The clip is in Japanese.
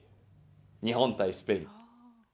日本対スペイン。